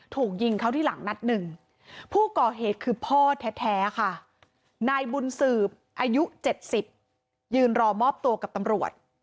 ถูกยิงเขาที่หลังนัดหนึ่งผู้ก่อเหตุคือพ่อแท้ค่ะนายบุญสืบอายุ๗๐ยืนรอมอบตัวกับตำรวจ